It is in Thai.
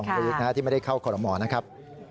ลีกที่ไม่ได้เข้าคอรมอลนะครับ